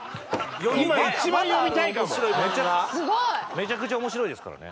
めちゃくちゃ面白いですからね。